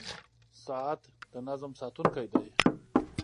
• ساعت د نظم ساتونکی دی.